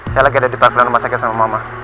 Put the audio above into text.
saya lagi ada di bangunan rumah sakit sama mama